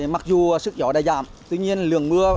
mặc dù sức gió đã giảm tuy nhiên lượng mưa